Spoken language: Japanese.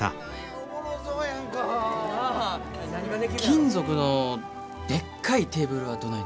金属のでっかいテーブルはどないです？